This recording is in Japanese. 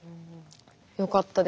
よかったです